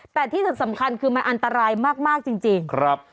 แต่ที่สำคัญคือมันอันตรายมากจริงครับ